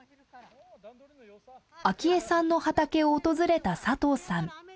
アキエさんの畑を訪れた佐藤さん。